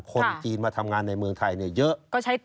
คนจีนมาทำงานในเมืองไทยเยอะ